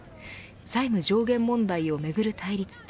債務上限問題をめぐる対立と